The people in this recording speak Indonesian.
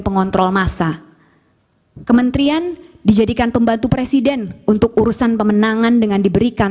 pengontrol masa kementerian dijadikan pembantu presiden untuk urusan pemenangan dengan diberikan